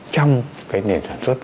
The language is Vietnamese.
trong cái nền sản xuất